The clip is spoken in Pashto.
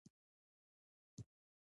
د قانون نه مراعت بې باوري جوړوي